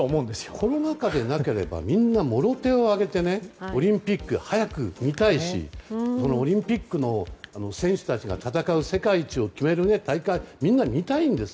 コロナ禍でなければもろ手を挙げてオリンピックを早く見たいしオリンピックの選手たちが戦う世界一を決める大会をみんな見たいんです。